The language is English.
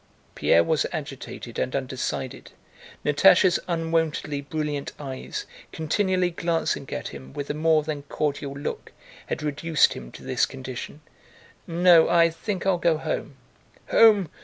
Pierre was agitated and undecided. Natásha's unwontedly brilliant eyes, continually glancing at him with a more than cordial look, had reduced him to this condition. "No, I think I'll go home." "Home?